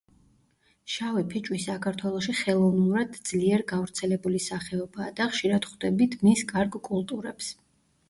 შავი ფიჭვი საქართველოში ხელოვნურად ძლიერ გავრცელებული სახეობაა და ხშირად ვხვდებით მის კარგ კულტურებს.